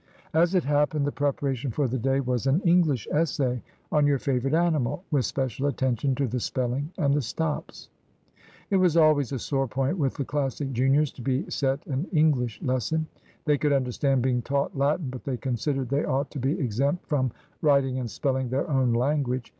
As it happened, the preparation for the day was an English Essay on "Your favourite Animal," with special attention to the spelling and the stops. It was always a sore point with the Classic juniors to be set an English lesson. They could understand being taught Latin, but they considered they ought to be exempt from writing and spelling their own language.